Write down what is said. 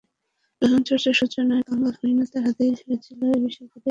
লালনচর্চার সূচনা কাঙাল হরিনাথের হাতেই হয়েছিল—এ বিষয়ে তাঁকেই পথিকৃতের মর্যাদা দিতে হয়।